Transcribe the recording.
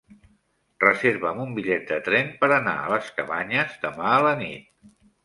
Reserva'm un bitllet de tren per anar a les Cabanyes demà a la nit.